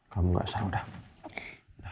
kamu gak salah udah